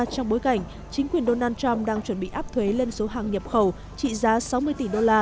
trong bối cảnh chính quyền donald trump đang chuẩn bị áp thuế lên số hàng nhập khẩu trị giá sáu mươi tỷ đô la